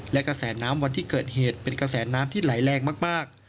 และกระแสน้ำวันที่เกิดเหตุเป็นกระแสน้ำที่ไหลแรงมาก